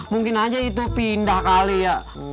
mungkin aja itu pindah kali ya